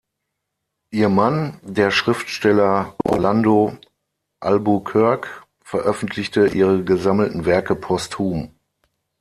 Ihr Mann, der Schriftsteller Orlando Albuquerque, veröffentlichte ihre gesammelten Werke posthum.